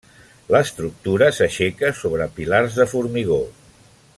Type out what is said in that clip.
L'estructura s'aixeca sobre pilars de formigó.